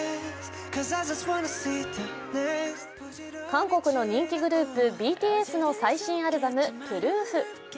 韓国の人気グループＢＴＳの最新アルバム「Ｐｒｏｏｆ」。